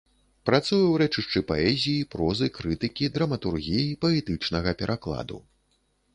Працуе ў рэчышчы паэзіі, прозы, крытыкі, драматургіі, паэтычнага перакладу.